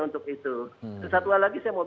untuk itu satu hal lagi saya mau